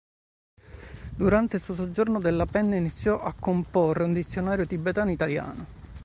Durante il suo soggiorno, Della Penna iniziò a comporre un dizionario tibetano-italiano.